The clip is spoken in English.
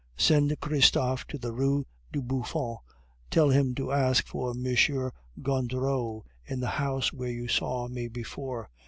Send Christophe to the Rue du Buffon, tell him to ask for M. Gondureau in the house where you saw me before.